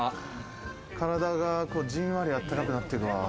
体がじんわりあったかくなってくわ。